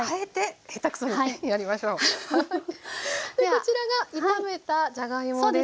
こちらが炒めたじゃがいもですね。